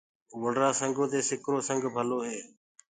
اُڀݪرآ سنگو دي سِڪرو سبگ ڀلو هي۔